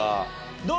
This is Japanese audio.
どう？